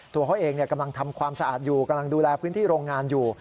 ตัวเขาเองกำลังทำความสะอาดอยู่กำลังดูแลพื้นที่โรงงานอยู่